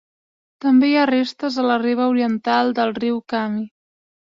També hi ha restes a la riba oriental del riu Khami.